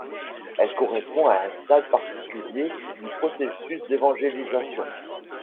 Elle correspond à un stade particulier du processus d’évangélisation.